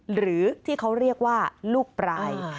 หรือที่เขาเรียกว่าลูกปลาย